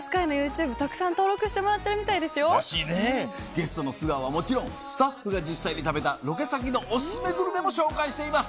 ゲストの素顔はもちろんスタッフが実際に食べたロケ先のオススメグルメも紹介しています。